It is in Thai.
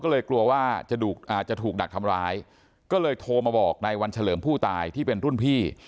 ก็เลยโทรมาบอกนายวรรชเลิร์มผู้ตายที่เป็นรุ่นพี่